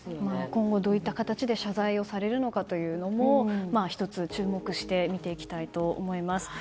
今後、どういった形で謝罪をされるのかも１つ、注目して見ていきたいと思います。